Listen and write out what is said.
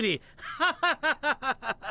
ハハハハハハハ。